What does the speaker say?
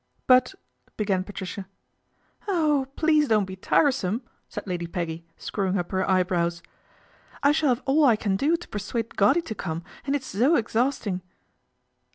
" But " began Patricia. " Oh, please don't be tiresome," said Lady Peggy, screwing up her eyebrows. " I shall have all I can do to persuade Goddy to come, and it's so exhausting."